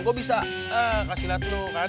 gue bisa kasih lihat lo kan